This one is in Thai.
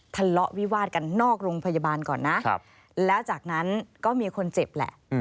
ทะเลาะวิวาดกันนอกโรงพยาบาลก่อนนะแล้วจากนั้นก็มีคนเจ็บแหละ